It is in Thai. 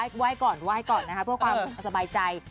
ขอไหว้ก่อนนะคะเพื่อความสบายใจ